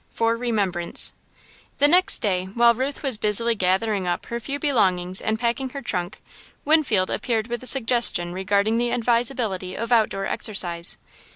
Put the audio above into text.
"For Remembrance" The next day, while Ruth was busily gathering up her few belongings and packing her trunk, Winfield appeared with a suggestion regarding the advisability of outdoor exercise.